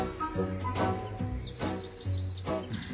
うん。